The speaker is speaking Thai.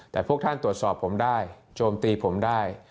แต่พวกท่านตรวจสอบผมได้โจมตีผมได้